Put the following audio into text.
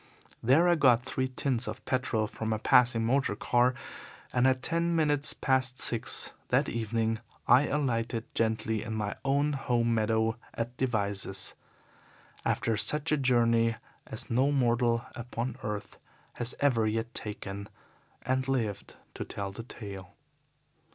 There I got three tins of petrol from a passing motor car, and at ten minutes past six that evening I alighted gently in my own home meadow at Devizes, after such a journey as no mortal upon earth has ever yet taken and lived to tell the tale.